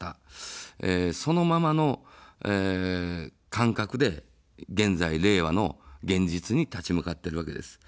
そのままの感覚で現在、令和の現実に立ち向かっているわけです。